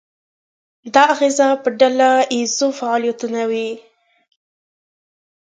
دا اغیزه په ډله ییزو فعالیتونو وي.